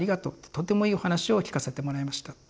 とてもいいお話を聴かせてもらいました」って。